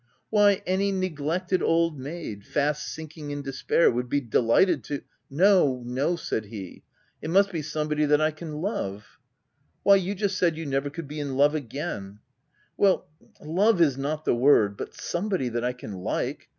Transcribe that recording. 6( c Why, any neglected old maid, fast sinking in despair, would be delighted to —*"*• No, no/ said he — it must be somebody that I can love/ "' Why v you just said you never could be in love again V "'Well, love is not the word,— but somebody that I can like.